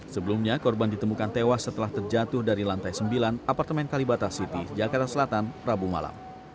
sebelumnya korban ditemukan tewas setelah terjatuh dari lantai sembilan apartemen kalibata city jakarta selatan rabu malam